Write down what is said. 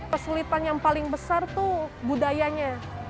kesulitan yang paling besar tuh budayanya